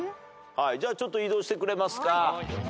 じゃあちょっと移動してくれますか。